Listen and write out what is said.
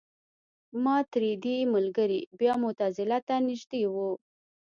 ماتریدي ملګري بیا معتزله ته نژدې وو.